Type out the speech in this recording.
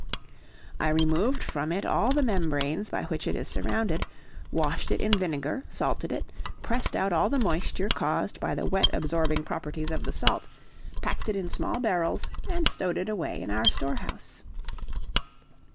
I removed from it all the membranes by which it is surrounded, washed it in vinegar, salted it, pressed out all the moisture caused by the wet absorbing properties of the salt, packed it in small barrels, and stowed it away in our storehouse.